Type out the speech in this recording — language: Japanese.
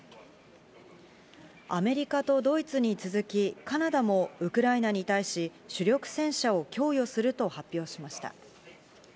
アメリカとドイツに続きカナダもウクライナに対し、主力戦車を供与すると発表しました。